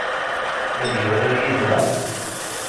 Ad yurar yid-neɣ?